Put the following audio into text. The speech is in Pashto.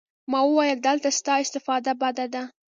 ما وويل دلته ستا استفاده بده ده.